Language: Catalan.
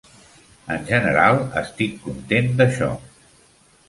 En genera estic content d'això.